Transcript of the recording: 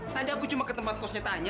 tadi aku cuma ke tempat kosnya tanya